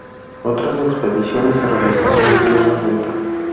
Otras expediciones se realizaron muy tierra adentro.